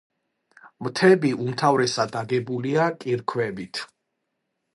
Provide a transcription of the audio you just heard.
მთები უმთავრესად აგებულია კირქვებით.